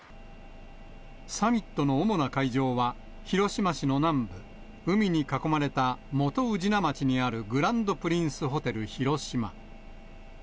サミットの主な会場は、広島市の南部、海に囲まれた元宇品町にあるグランドプリンスホテル広島。